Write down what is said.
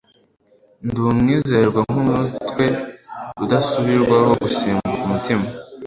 ndi umwizerwa nkumutwe udasubirwaho, gusimbuka umutima